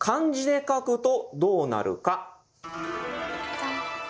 じゃん。